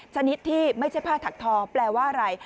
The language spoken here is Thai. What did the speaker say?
ชนิดที่ไม่ใช่ผ้าถักทองแปลว่าอะไร